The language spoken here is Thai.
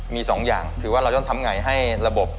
มีสองอย่างคือว่าเราต้องทำไงให้ระบบ